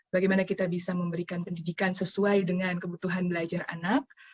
bagaimana kita bisa memberikan pendidikan sesuai dengan kebutuhan belajar anak